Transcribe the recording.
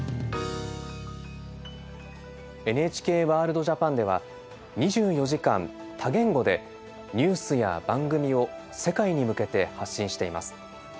「ＮＨＫワールドＪＡＰＡＮ」では２４時間多言語でニュースや番組を世界に向けて発信しています。